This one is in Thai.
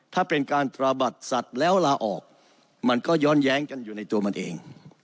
ถ้าเป็นการตระบัดสัตว์แล้วลาออกมันก็ย้อนแย้งกันอยู่ในตัวมันเอง